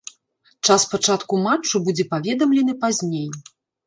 Час пачатку матчу будзе паведамлены пазней.